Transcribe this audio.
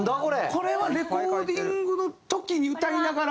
これはレコーディングの時に歌いながら？